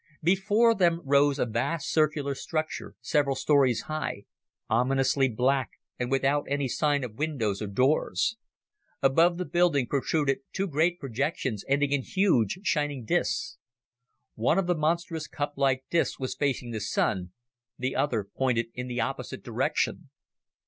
Before them rose a vast circular structure several stories high, ominously black and without any sign of windows or doors. Above the building protruded two great projections ending in huge, shining discs. One of the monstrous cuplike discs was facing the Sun, the other pointed in the opposite direction.